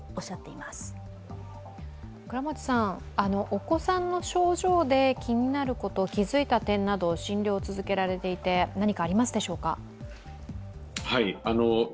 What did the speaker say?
お子さんの症状で気になること気づいた点など診療を続けられていて何かありますか？